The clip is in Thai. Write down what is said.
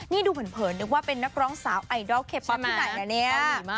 นี่ดูเผินนึกว่าเป็นนักร้องสาวไอดอลเคป๊อปที่ไหนนะเนี่ย